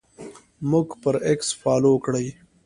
موږ پر اکس فالو کړئ